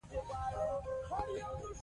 خو اودس مې وکړو ـ